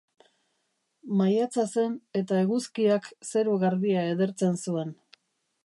Maiatza zen eta eguzkiak zeru garbia edertzen zuen.